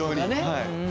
はい。